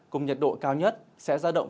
cùng nhiệt độ cao nhất sẽ ra động